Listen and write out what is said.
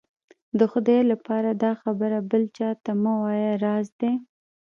د خدای لهپاره دا خبره بل چا ته مه وايه، راز دی.